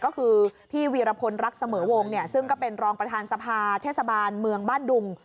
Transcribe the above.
ก็คือพี่วีรพลรักเสมอวงเนี่ยซึ่งก็เป็นรองประธานสภาเทศบาลเมืองบ้านดุง